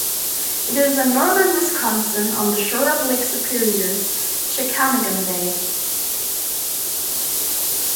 It is in northern Wisconsin, on the shore of Lake Superior's Chequamegon Bay.